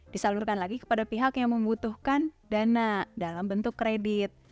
disalurkan lagi kepada pihak yang membutuhkan dana dalam bentuk kredit